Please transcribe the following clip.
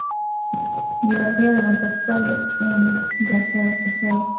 Biografía de don Pascual de Enrile y Acedo